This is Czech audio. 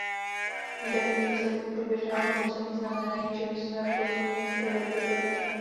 Negativní výsledky průběžného hodnocení znamenají, že musíme pozměnit priority programu.